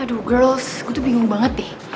aduh girls gue tuh bingung banget deh